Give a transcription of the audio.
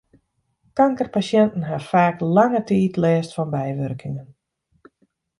Kankerpasjinten ha faak lange tiid lêst fan bywurkingen.